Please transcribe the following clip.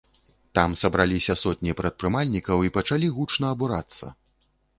Там сабраліся сотні прадпрымальнікаў і пачалі гучна абурацца.